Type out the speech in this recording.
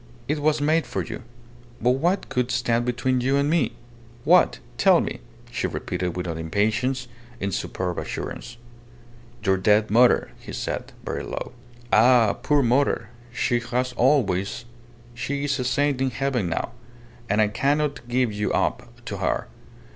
It was made for you! But what could stand between you and me? What? Tell me!" she repeated, without impatience, in superb assurance. "Your dead mother," he said, very low. "Ah! ... Poor mother! She has always ... She is a saint in heaven now, and I cannot give you up to her.